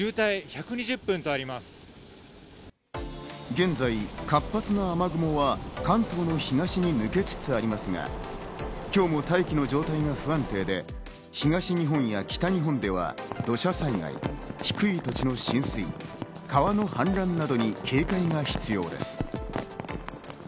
現在、活発な雨雲は関東の東に抜けつつありますが、今日も大気の状態が不安定で東日本や北日本では土砂災害、低い土地の浸水、川の氾濫などに警戒が必要です。